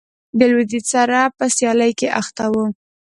د لوېدیځ سره په سیالۍ کې اخته و.